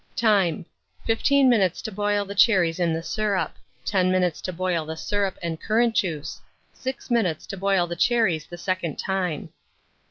Time. 15 minutes to boil the cherries in the syrup; 10 minutes to boil the syrup and currant juice; 6 minutes to boil the cherries the second time.